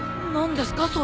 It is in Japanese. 何ですか？